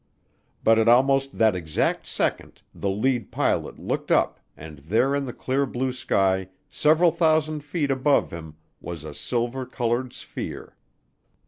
But at almost that exact second the lead pilot looked up and there in the clear blue sky several thousand feet above him was a silver colored sphere.